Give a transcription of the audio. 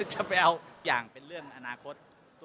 จะไปเอาอย่างเป็นเรื่องอนาคต